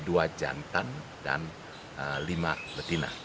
dua jantan dan lima betina